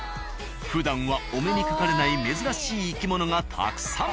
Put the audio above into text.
ふだんはお目にかかれない珍しい生き物がたくさん。